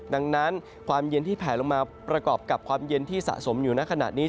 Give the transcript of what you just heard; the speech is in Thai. ดังนั้นความเย็นที่แผลลงมาประกอบกับความเย็นที่สะสมอยู่ในขณะนี้